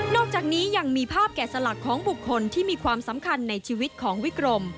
อกจากนี้ยังมีภาพแก่สลักของบุคคลที่มีความสำคัญในชีวิตของวิกรม